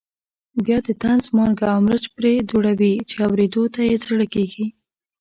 بیا د طنز مالګه او مرچ پرې دوړوي چې اورېدو ته یې زړه کېږي.